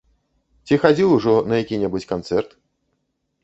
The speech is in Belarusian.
Ці хадзіў ужо на які-небудзь канцэрт?